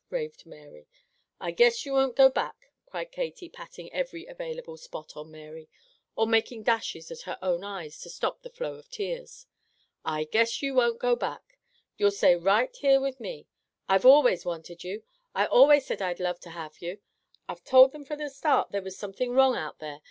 raved Mary. "I guess you won't go back," cried Katy, patting every available spot on Mary, or making dashes at her own eyes to stop the flow of tears. "I guess you won't go back! You'll stay right here with me. I've always wanted you! I always said I'd love to have you! I've told thim from the start there was something wrong out there!